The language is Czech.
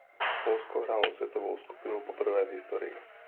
Polsko hrálo světovou skupinu poprvé v historii.